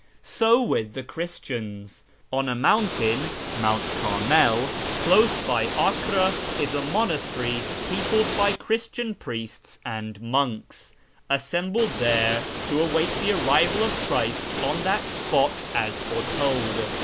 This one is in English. So with the Christians. On a mountain ^ close by Acre is a monastery peopled by Christian priests and monks, assembled there to await the arrival of Christ on that spot as foretold.